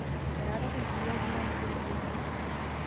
Ráda bych zdůraznila několik věcí.